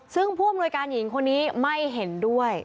ซึ่งผู้อำนวยการหญิงคนนี้ไม่เห็นด้วย